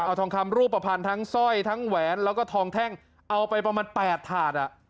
เอาทองคำรูปภัณฑ์ทั้งสร้อยทั้งแหวนแล้วก็ทองแท่งเอาไปประมาณ๘ถาดอ่ะ